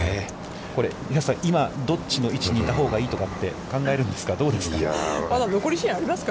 これ、平瀬さん、今どっちの位置にいたほうがいいと思って考えるんですか。